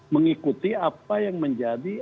mengikuti apa yang menjadi